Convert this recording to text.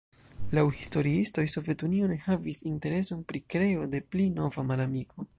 Laŭ historiistoj Sovetunio ne havis intereson pri kreo de pli nova malamiko.